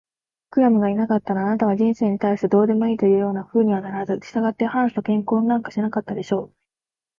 クラムがいなかったら、あなたは人生に対してどうでもいいというようなふうにはならず、したがってハンスと結婚なんかしなかったでしょう。